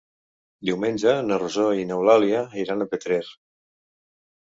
Diumenge na Rosó i n'Eulàlia iran a Petrer.